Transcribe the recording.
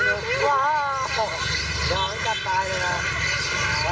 โอ้โฮโอ้โฮลูกมากละ